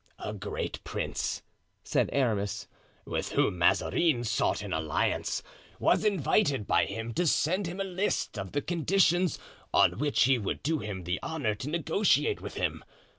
"A great prince," said Aramis, "with whom Mazarin sought an alliance, was invited by him to send him a list of the conditions on which he would do him the honor to negotiate with him.